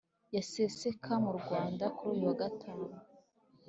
Yaseseka mu Rwanda kuruyu wa gatanu